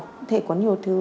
có thể có nhiều thứ